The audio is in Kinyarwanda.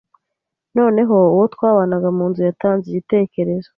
noneho uwo twabanaga mu nzu yatanze igitekerezo